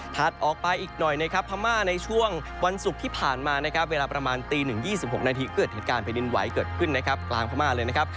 ออกไปอีกหน่อยนะครับพม่าในช่วงวันศุกร์ที่ผ่านมานะครับเวลาประมาณตี๑๒๖นาทีเกิดเหตุการณ์แผ่นดินไหวเกิดขึ้นนะครับกลางพม่าเลยนะครับ